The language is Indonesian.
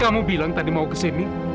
kamu bilang tadi mau kesini